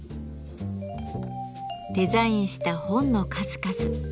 デザインした本の数々。